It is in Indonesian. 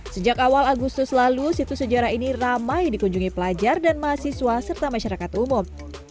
sejak awal agustus lalu situs sejarah ini ramai dikunjungi pelajar dan mahasiswa serta masyarakat umum